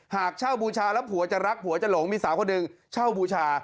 หากเช่าบูชาแล้วผัวจะรักผัวจะหลงมีสาวคนหนึ่งเช่าบูชา